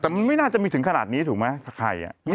แต่มันไม่น่าจะมีถึงขนาดนี้ถูกไหมถ้าใคร